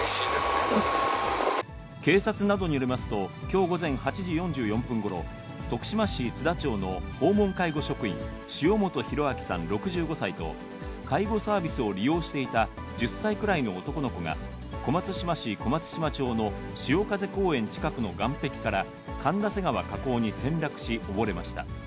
警察などによりますと、きょう午前８時４４分ごろ、徳島市津田町の訪問介護職員、塩本浩章さん６５歳と、介護サービスを利用していた１０歳ぐらいの男の子が小松島市小松島町のしおかぜ公園近くの岸壁から神田瀬川河口に転落し、溺れました。